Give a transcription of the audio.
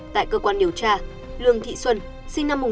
tại cơ quan điều tra lương thị xuân